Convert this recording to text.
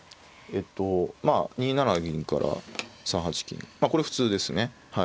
えっと２七銀から３八金まあこれ普通ですね。